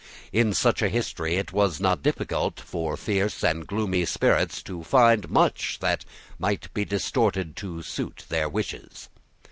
In such a history it was not difficult for fierce and gloomy spirits to find much that might be distorted to suit their wishes.